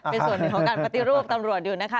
เป็นส่วนหนึ่งของการปฏิรูปตำรวจอยู่นะคะ